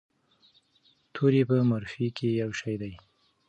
توري په مورفي کې یو شی دي.